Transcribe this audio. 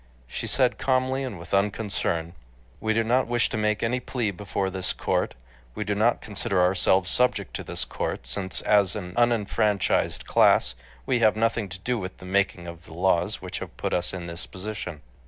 She said calmly and with unconcern: "We do not wish to make any plea before this court. We do not consider ourselves subject to this court, since as an unenfranchised class we have nothing to do with the making of the laws which have put us in this position."